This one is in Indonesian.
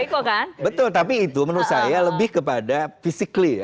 iya betul tapi itu menurut saya lebih kepada fisikly